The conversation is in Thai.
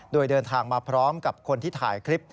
โดยเดินทางมาพร้อมกับคนที่ถ่ายคลิป